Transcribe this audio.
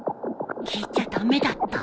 聞いちゃ駄目だった？